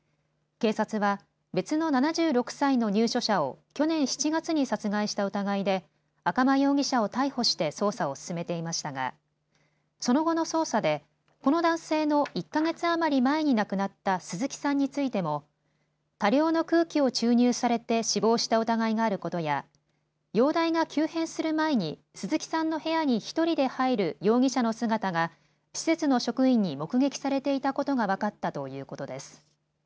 警察は別の７６歳の入所者を去年７月に殺害した疑いで赤間容疑者を逮捕して捜査を進めていましたがその後の捜査でこの男性の１か月余り前に亡くなった鈴木さんについても多量の空気を注入されて死亡した疑いがあることや容体が急変する前に鈴木さんの部屋に１人で入る容疑者の姿が施設の職員に目撃されていたことが分かったということです。